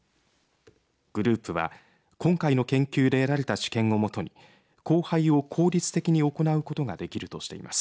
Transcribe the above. グループは今回の研究で得られた知見をもとに交配を効率的に行うことができるとしています。